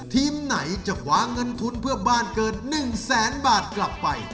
ทีมไหนจะคว้าเงินทุนเพื่อบ้านเกิน๑แสนบาทกลับไป